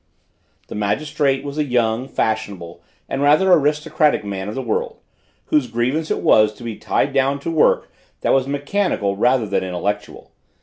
The magistrate was a young, fashionable, and rather aristocratic man of the world, whose grievance it was to be tied down to work that was mechanical rather than intellectual.